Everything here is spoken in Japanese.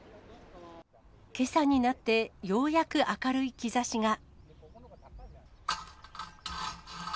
けさになって、ようやく明るい兆しが。